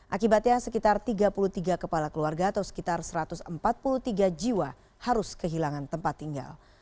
akibatnya sekitar tiga puluh tiga kepala keluarga atau sekitar satu ratus empat puluh tiga jiwa harus kehilangan tempat tinggal